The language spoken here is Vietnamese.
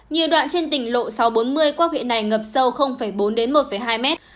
nhiều đoạn trên tỉnh lộ sáu trăm bốn mươi quốc huyện này ngập sâu bốn đến một hai mét